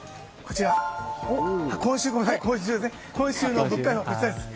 今週の物価予報はこちらです。